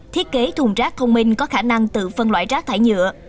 thiết kế thùng rác thông minh có khả năng tự phân loại rác thải nhựa